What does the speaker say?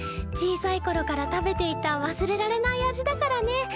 小さいころから食べていた忘れられない味だからね。